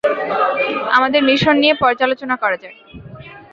আমাদের মিশন নিয়ে পর্যালোচনা করা যাক।